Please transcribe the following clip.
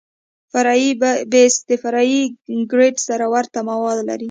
فرعي بیس د فرعي ګریډ سره ورته مواد لري